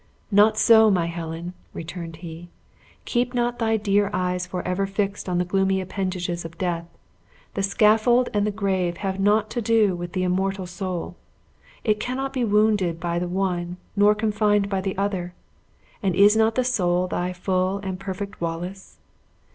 "Not so, my Helen," returned he, "keep not thy dear eyes forever fixed on the gloomy appendages of death. The scaffold and the grave have naught to do with the immortal soul; it cannot be wounded by the one nor confined by the other. And is not the soul thy full and perfect Wallace?